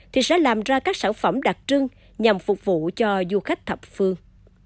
thì sẽ làm ra các sản phẩm đặc trưng nhằm phục vụ cho du khách thập phương